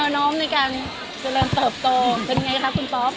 แนวน้องในการเติบโตเป็นอย่างไรครับคุณป๊อบ